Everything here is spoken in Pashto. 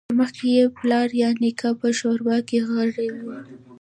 چې مخکې یې پلار یا نیکه په شورا کې غړی و